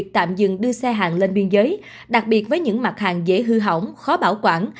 trên biên giới đặc biệt với những mặt hàng dễ hư hỏng khó bảo quản